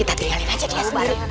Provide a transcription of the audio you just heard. kita tinggalin aja kita sebalik